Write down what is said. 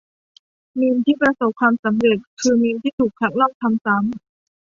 มีมที่ประสบความสำเร็จ คือมีมที่ถูกคัดลอก ทำซ้ำ